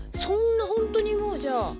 そんなほんとにもうじゃあ。